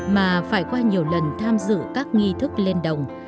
mà phải qua nhiều lần tham dự các nghi thức lên đồng